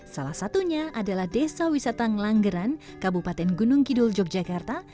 salah satunya adalah desa wisata ngelanggeran kabupaten gunung kidul yogyakarta